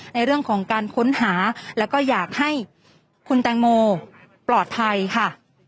ในเรื่องของการค้นหาแล้วก็อยากให้คุณแตงโมปลอดภัยค่ะ